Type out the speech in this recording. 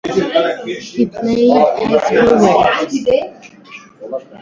He played as a forward.